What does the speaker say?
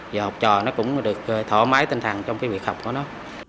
và học trò nó cũng được thỏa mái tinh thần trong cái việc học của nó